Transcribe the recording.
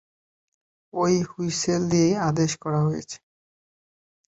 ঐ হুইসেল দিয়ে আদেশ করা হয়েছে।